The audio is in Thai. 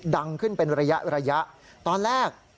ดังขึ้นเป็นระยะระยะตอนแรก